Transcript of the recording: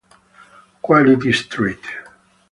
Quality Street